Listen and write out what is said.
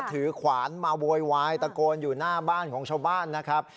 ขวานมาโวยวายตะโกนอยู่หน้าบ้านของชาวบ้านนะครับ